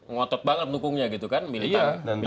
ngotot banget dukungnya gitu kan militer